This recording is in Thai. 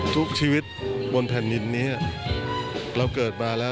ทุกชีวิตบนแผ่นดินนี้เราเกิดมาแล้ว